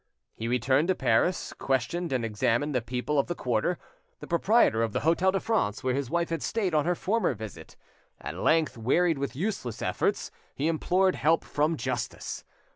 He returned to Paris, questioned and examined the people of the quarter, the proprietor of the Hotel de France, where his wife had stayed on her former visit; at length, wearied with useless efforts, he implored help from justice.